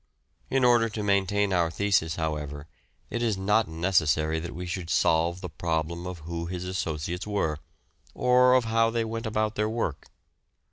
In order to maintain our thesis, however, it is not necessary that we should solve the problem of who his associates were, or of how they went about their work.